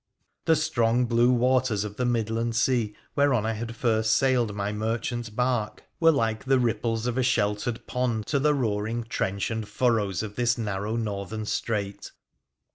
The strong blue waters of the midland sea whereon I first sailed my merchant barque PHRA THE PHCENICIAN 229 were like the ripples of a sheltered pond to the roaring trench and furrows of this narrow northern strait.